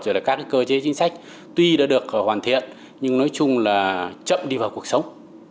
rồi là các cơ chế chính sách tuy đã được hoàn thiện nhưng nói chung là chậm đi vào cuộc sống